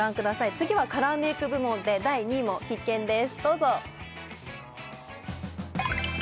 次はカラーメイク部門で第２位も必見です